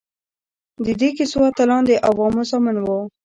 د دې کیسو اتلان د عوامو زامن وو.